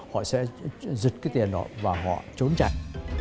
họ sẽ giật cái tiền đó và họ trốn chẳng